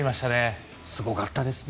すごかったですね。